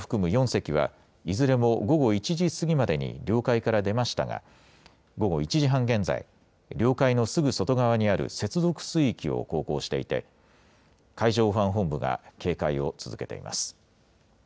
４隻は、いずれも午後１時過ぎまでに領海から出ましたが、午後１時半現在、領海のすぐ外側にある接続水域を航行していて、海上保安本部が警戒を続けています。